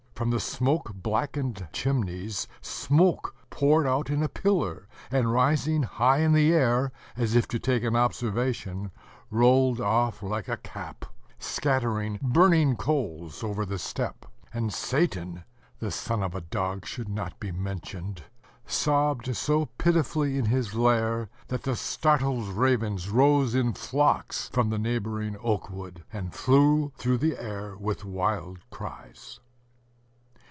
From the smoke blackened chimneys, smoke poured out in a pillar, and rising high in the air, as if to take an observation, rolled off like a cap, scattering burning coals over the steppe; and Satan (the son of a dog should not be mentioned) sobbed so pitifully in his lair, that the startled ravens rose in flocks from the neighboring oak wood, and flew through the air with wild cries.